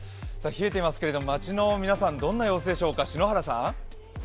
冷えていますけれども、街の皆さんどんな様子でしょうか。